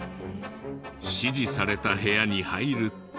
指示された部屋に入ると。